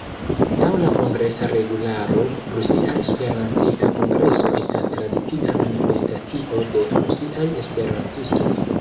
Laŭ la Kongresa regularo, "Rusia Esperantista Kongreso estas tradicia manifestacio de rusiaj esperantistoj.